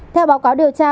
theo báo cáo điều tra